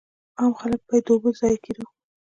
عام خلک باید د اوبو د ضایع کېدو.